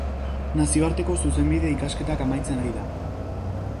Nazioarteko zuzenbide ikasketak amaitzen ari da.